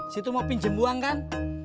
situ mau pinjem uang kan